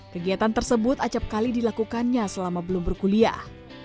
kegiatan tersebut acapkali dilakukannya selama belum berkuliah